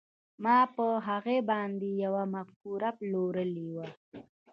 ما پر هغه باندې يوه مفکوره پلورلې وه.